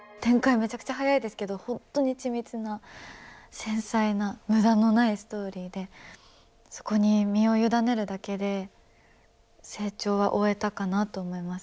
めちゃくちゃ早いですけど本当に緻密な繊細な無駄のないストーリーでそこに身を委ねるだけで成長は追えたかなと思います。